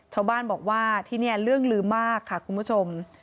ชาวบ้านบอกว่าที่นี่เรื่องลืมมากค่ะคุณผู้ชม